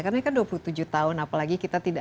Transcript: karena kan dua puluh tujuh tahun apalagi kita